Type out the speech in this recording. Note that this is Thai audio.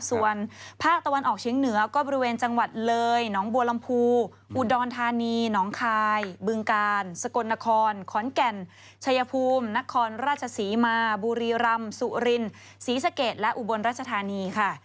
ส่วนภาคตะวันออกเชียงเหนือก็บริเวณจังหวัดเลยหนองบัวลำพูอุดรธานีน้องคายบึงกาลสกลนครขอนแก่นชัยภูมินครราชศรีมาบุรีรำสุรินศรีสะเกดและอุบลรัชธานีค่ะ